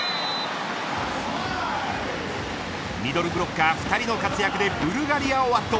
ミドルブロッカー２人の活躍でブルガリアを圧倒。